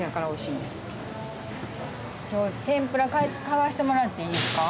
今日天ぷら買わしてもらっていいですか？